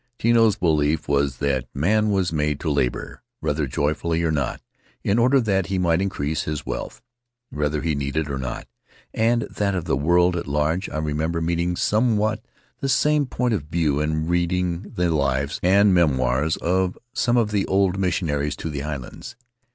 Tino's belief was that man was made to labor, whether joyfully or not, in order that he might increase his wealth, whether he needed it or not, and that of the world at large. I remember meeting somewhat the same point of view in reading the lives and memoirs of some of the old missionaries to the islands.